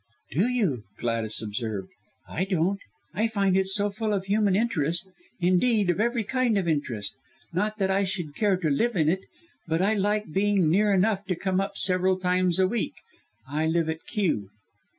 "Do you?" Gladys observed. "I don't. I find it so full of human interest indeed, of every kind of interest. Not that I should care to live in it, but I like being near enough to come up several times a week. I live at Kew."